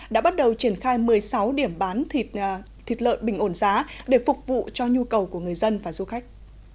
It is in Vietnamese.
đã bắt đầu triển khai một mươi sáu điểm bán thịt lợn bình ổn giá để phục vụ cho nhu cầu của người dân và du khách